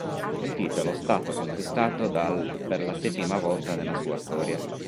Il titolo stato conquistato dal per la settima volta nella sua storia.